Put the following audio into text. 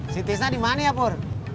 si tisna dimana ya pur